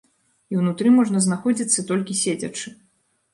І ўнутры можна знаходзіцца толькі седзячы.